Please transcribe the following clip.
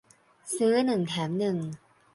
ซื้อหนึ่งแถมหนึ่ง